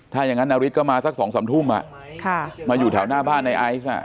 ถ้าอย่างนั้นนาริสก็มาสัก๒๓ทุ่มมาอยู่แถวหน้าบ้านในไอซ์